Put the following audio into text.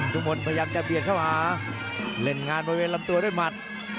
ทุกคนพยายามจะเบียดเข้าหาเล่นงานบริเวณลำตัวด้วยหมัด